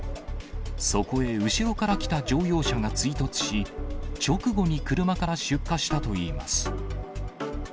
そこへ後ろから来た乗用車が追突し、直後に車から出火したといいます。